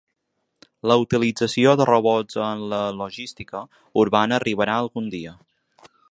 La utilització de robots en la logística urbana arribarà algun dia.